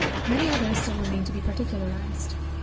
Many others still remain to be particularized.